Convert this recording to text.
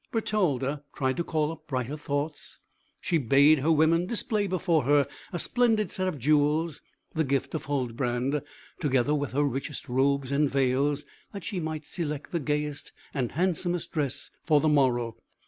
Bertalda tried to call up brighter thoughts; she bade her women display before her a splendid set of jewels, the gift of Huldbrand, together with her richest robes and veils, that she might select the gayest and handsomest dress for the morrow.